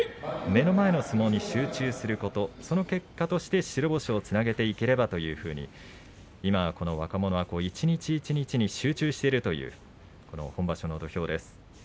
目の前の相撲に集中することその結果として白星をつなげていければと今はこの若者は一日一日に集中しているという今場所の土俵です。